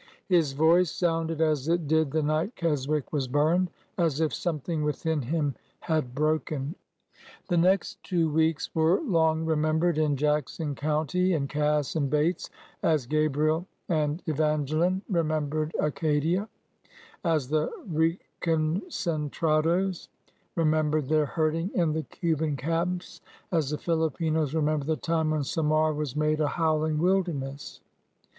His voice sounded as it did the night Keswick was burned, — as if something within him had broken. The next two weeks were long remembered in Jackson County, and Cass, and Bates, — as Gabriel and Evange line remembered Acadia, as the reconcentrados '' re membered their herding in the Cuban camps, as the Filipinos remember the time when Samar was made a '' howling wilderness."